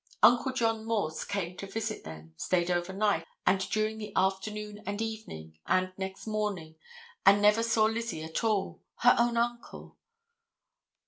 Uncle John Morse came to visit them, stayed over night, and during the afternoon and evening, and next morning, and never saw Lizzie at all—her own uncle.